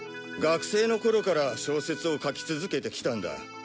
学生の頃から小説を書き続けてきたんだ。